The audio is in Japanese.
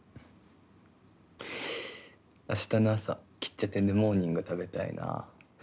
明日の朝きっちゃてんでモーニング食べたいな。